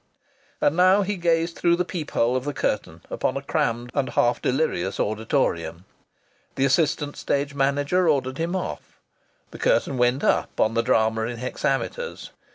And now he gazed through the peep hole of the curtain upon a crammed and half delirious auditorium. The assistant stage manager ordered him off. The curtain went up on the drama in hexameters.